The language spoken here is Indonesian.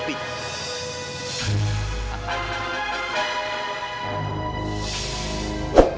dia pasti mati